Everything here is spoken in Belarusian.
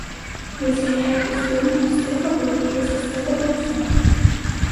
Засяляе пустынную, стэпавую і лесастэпавую зоны.